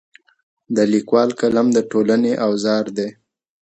د لیکوال قلم د ټولنې اواز دی.